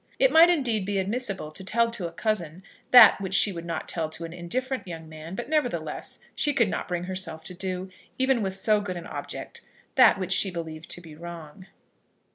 It might indeed be admissible to tell to a cousin that which she would not tell to an indifferent young man; but, nevertheless, she could not bring herself to do, even with so good an object, that which she believed to be wrong.